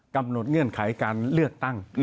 กำหนดเงื่อนไขการเลือกตั้ง